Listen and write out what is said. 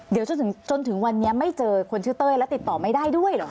เดี๋ยวจนถึงวันนี้ไม่เจอคนชื่อเต้ยแล้วติดต่อไม่ได้ด้วยเหรอ